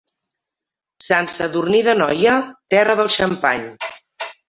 Sant Sadurní d'Anoia, terra del xampany.